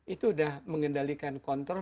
itu sudah mengendalikan kontrol